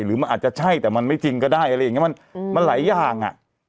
หรือมันอาจจะใช่แต่มันไม่จริงก็ได้อะไรอย่างนี้มันหลายอย่างอ่ะ